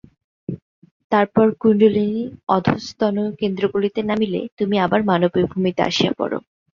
তারপর কুণ্ডলিনী অধস্তন কেন্দ্রগুলিতে নামিলে তুমি আবার মানবীয় ভূমিতে আসিয়া পড়।